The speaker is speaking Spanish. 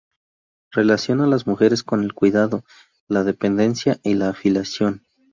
Relaciona a las mujeres con el cuidado, la dependencia y la afiliación.